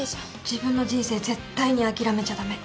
自分の人生絶対に諦めちゃ駄目。